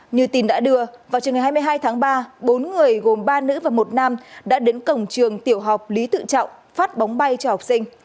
như tin đã đưa vào trường ngày hai mươi hai tháng ba bốn người gồm ba nữ và một nam đã đến cổng trường tiểu học lý tự trọng phát bóng bay cho học sinh